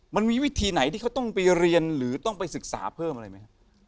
มันมีวิธีไหนที่เขาต้องไปเรียนหรือต้องไปศึกษาเพิ่มอะไรไหมครับ